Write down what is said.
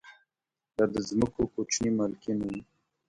دا د ځمکو کوچني مالکین وو